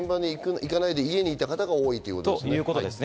家にいた方が多いということですね。